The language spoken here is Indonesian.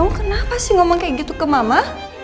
kamu kenapa sih ngomong kayak gitu ke mama